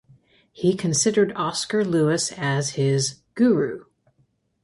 He considered Oscar Lewis as his "guru".